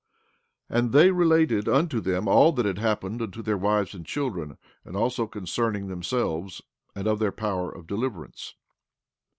15:2 And they related unto them all that had happened unto their wives and children, and also concerning themselves, and of their power of deliverance.